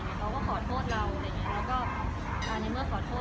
แต่เขาก็ยอมรับผิดอะไรอย่างเงี้ยเขาก็ขอโทษเราอะไรอย่างเงี้ย